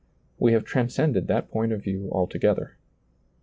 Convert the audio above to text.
We have transcended that point of view altogether.